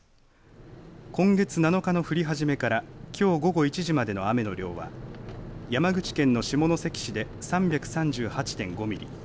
今月７日の降り始めからきょう午後１時までの雨の量は山口県の下関市で３３８．５ミリ